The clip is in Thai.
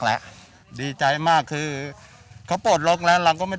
แล้วดีใจมากคือเขา